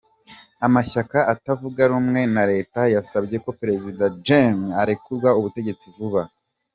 Amashyaka atavuga rumwe na leta yasabye ko Perezida Jammeh arekura ubutegetsi vuba.